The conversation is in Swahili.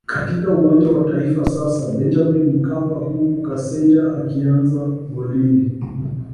katika Uwanja wa Taifa sasa Benjamin Mkapa huku Kaseja akianza golini